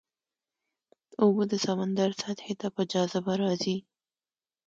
اوبه د سمندر سطحې ته په جاذبه راځي.